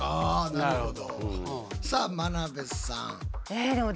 なるほど。